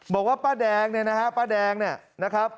บอกว่าป้าแดงเนี่ยนะฮะป้าแดงเนี่ยนะครับ